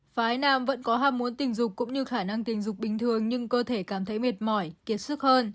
phái nam vẫn có ham muốn tình dục cũng như khả năng tình dục bình thường nhưng cơ thể cảm thấy mệt mỏi kiệt sức hơn